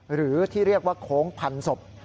หรือที่เรียกว่าโค้งพันศพ